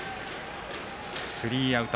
スリーアウト。